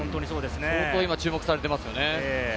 相当、今注目されてますよね。